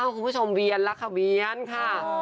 คุณผู้ชมเวียนล่ะค่ะเวียนค่ะ